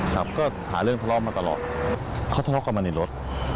ครับก็หาเรื่องทะเลาะมาตลอดเขาทะเลาะกันมาในรถ